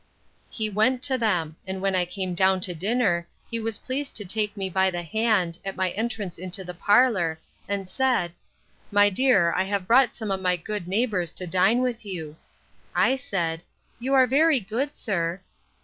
He went to them; and when I came down to dinner, he was pleased to take me by the hand, at my entrance into the parlour, and said, My dear, I have brought some of my good neighbours to dine with you. I said, You are very good, sir.